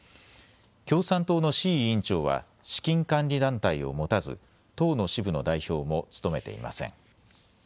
共産党の志位委員長は資金管理団体を持たず党の支部の代表も務めていません。